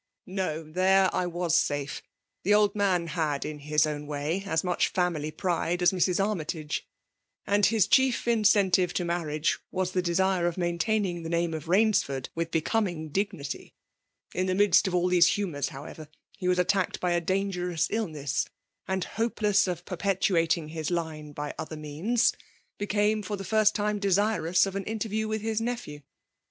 *'TSol— There I waa sab. The old m^xL had, in his own vtaj,. as much fiimily pride afr Mrs. Armytage ; and his chief incentive toi marrii^e was the desire of maintaining tha name of Bainsford with becoming dignity. In> the midst of all these humours, however^ he^. was attacked by a dangerous iUness ; and hope* less of perpetimting his line, by other means, became for the first time desirous of an intcff*. ^iew with his nephew.